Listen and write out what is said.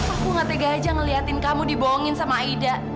aku gak tega aja ngeliatin kamu dibohongin sama ida